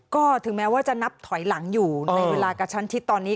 ก็ถึงแม้ว่าจะนับถอยหลังอยู่ในเวลากระชั้นชิดตอนนี้